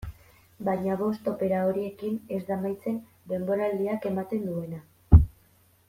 Baina bost opera horiekin ez da amaitzen denboraldiak ematen duena.